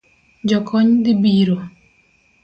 Jokony dhi biro